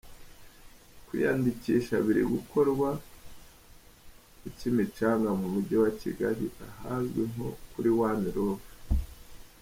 Kwiyandikisha biri gukorerwa ku Kimicanga mu Mujyi wa Kigali ahazwi nko kuri One Love.